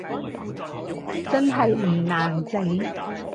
真係唔難整？